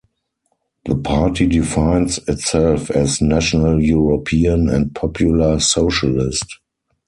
The party defines itself as "National European" and "Popular Socialist".